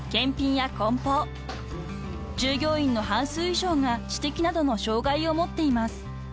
［従業員の半数以上が知的などの障害を持っています］